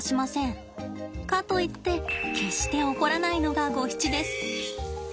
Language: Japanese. かといって決して怒らないのがゴヒチです。